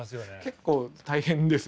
結構大変ですね。